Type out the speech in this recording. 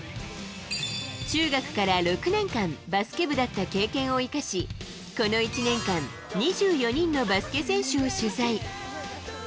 中学から６年間、バスケ部だった経験を生かし、この１年間、２４人のバスケ選手を取材。